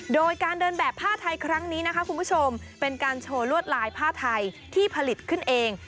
โดยการเดินแบบผ้าไทยครั้งนี้นะคะคุณผู้ชมเป็นการโชว์ลวดลายผ้าไทยที่ผลิตขึ้นเอง